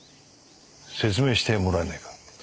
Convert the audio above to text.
説明してもらえないか？